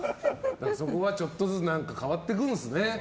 そこがちょっとずつ変わっていくんですね。